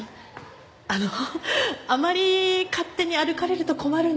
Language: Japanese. あのあまり勝手に歩かれると困るんですよね。